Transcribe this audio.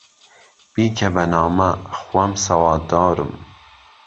بیکه به نامه، خوهم سهواددارم